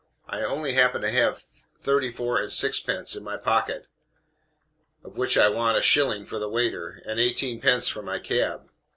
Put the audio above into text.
I only happen to have thirty four and sixpence in my pocket, of which I want a shilling for the waiter, and eighteen pence for my cab.